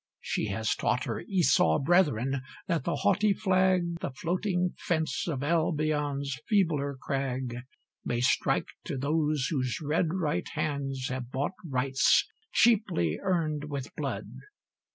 She has taught Her Esau brethren that the haughty flag, The floating fence of Albion's feebler crag, May strike to those whose red right hands have bought Rights cheaply earned with blood.